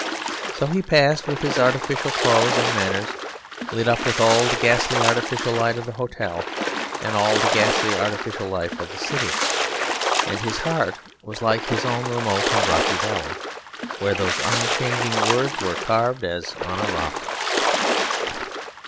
So he passed, with his artificial clothes and manners, lit up with all the ghastly artificial light of the hotel, and all the ghastly artificial life of the city; and his heart was like his own remote and rocky valley, where those unchanging words were carved as on a rock.